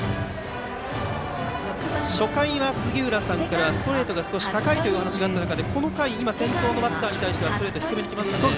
初回は杉浦さんからストレートが少し高いというお話があった中でこの回、先頭バッターに対してはストレートが低めに来ましたね。